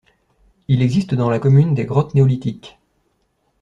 Il existe dans la commune des grotte néolithique.